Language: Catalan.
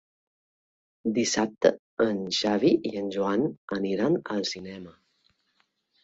Dissabte en Xavi i en Joan aniran al cinema.